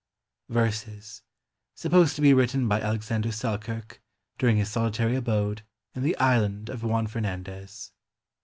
VERSES SUPPOSED TO BE WRITTEN BY ALEXANDER SELKIRK DURING HIS SOLITARY ABODE IN THE ISLAND OF JUAN FERNANDEZ.